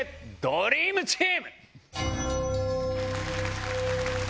ドリームチーム」！